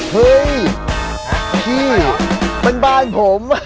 เฮ้ยพี่มันบ้านผม